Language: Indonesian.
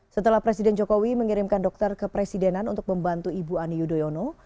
setelah presiden jokowi mengirimkan dokter kepresidenan untuk membantu ibu ani yudhoyono